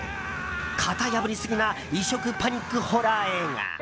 型破りすぎな異色パニックホラー映画。